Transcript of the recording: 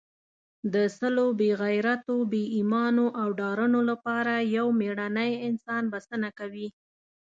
د سلو بې غیرتو، بې ایمانو او ډارنو لپاره یو مېړنی انسان بسنه کوي.